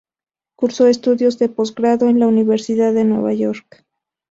Cursó estudios de posgrado en la Universidad de Nueva York.